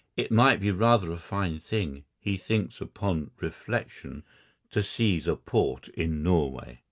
It might be rather a fine thing, he thinks upon reflection, to seize a port in Norway.